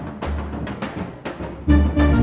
ketika dikirimkan oleh istri